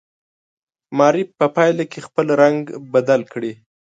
معرف په پایله کې خپل رنګ بدل کړي.